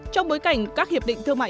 trong bối cảnh các hiệp định thương mại